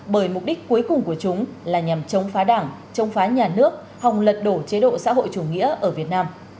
bởi mục đích cuối cùng của chúng là nhằm chống phá đảng chống phá nhà nước hòng lật đổ chế độ xã hội chủ nghĩa ở việt nam